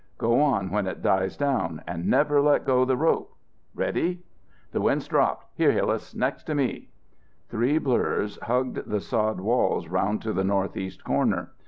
Go on when it dies down and never let go the rope. Ready? The wind's dropped. Here, Hillas, next to me." Three blurs hugged the sod walls around to the north east corner.